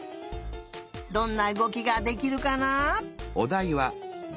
どんなうごきができるかな？